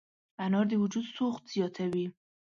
انار د وجود سوخت زیاتوي.